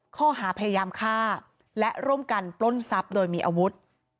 ข้อหาพยายามฆ่าและร่วมกันปล้นทรัพย์โดยมีอาวุธ